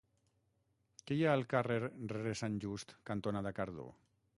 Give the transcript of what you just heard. Què hi ha al carrer Rere Sant Just cantonada Cardó?